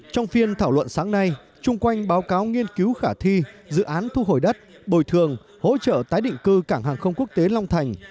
trong phiên thảo luận sáng nay chung quanh báo cáo nghiên cứu khả thi dự án thu hồi đất bồi thường hỗ trợ tái định cư cảng hàng không quốc tế long thành